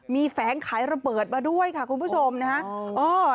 มีแฝงขายระเบิดมาด้วยค่ะคุณผู้ชมนะฮะ